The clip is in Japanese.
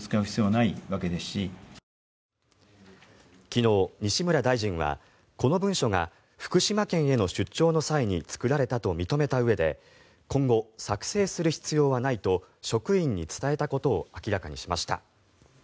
昨日、西村大臣はこの文書が福島県への出張の際に作られたと認めたうえで今後、作成する必要はないと職員に伝えたことを明らかにしました。